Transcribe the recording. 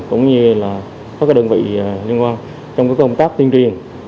cũng như là các đơn vị liên quan trong công tác tuyên truyền